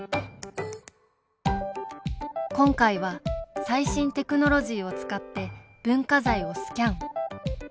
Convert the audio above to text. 今回は最新テクノロジーを使って文化財をスキャン。